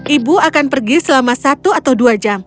ibu akan pergi selama satu atau dua jam